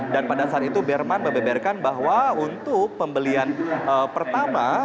dan pada saat itu berman membeberkan bahwa untuk pembelian pertama